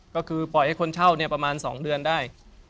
ก็คือปล่อยให้คนเช่าประมาณ๒เดือนได้